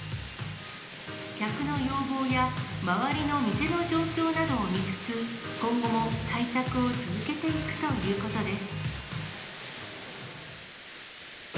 客の要望や周りの店の状況などを見つつ、今後も対策を続けていくということです。